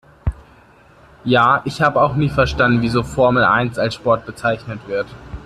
Ja, ich habe auch nie verstanden wieso Formel eins als Sport bezeichnet wird.